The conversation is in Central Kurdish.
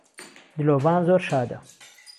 دلۆڤان زۆر شادە